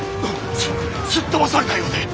すすっとばされたようで。